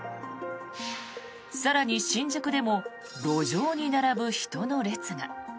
更に、新宿でも路上に並ぶ人の列が。